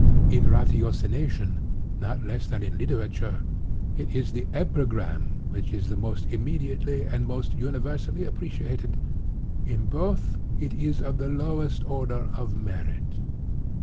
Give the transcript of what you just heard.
In ratiocination, not less than in literature, it is the epigram which is the most immediately and the most universally appreciated. In both, it is of the lowest order of merit.